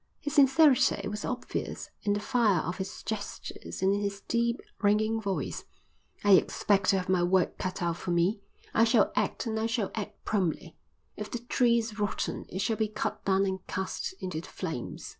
His sincerity was obvious in the fire of his gestures and in his deep, ringing voice. "I expect to have my work cut out for me. I shall act and I shall act promptly. If the tree is rotten it shall be cut down and cast into the flames."